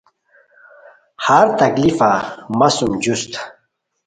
ہر تکلیفہ مہ سُم جوست